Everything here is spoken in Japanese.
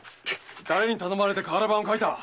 誰に頼まれて瓦版を書いた？